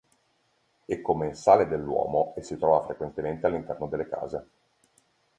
È commensale dell'uomo e si trova frequentemente all'interno delle case.